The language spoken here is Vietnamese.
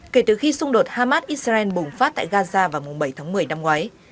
kể từ khi xung đột hamas israel bùng phát tại gaza vào ngày bảy tháng một mươi năm ngoái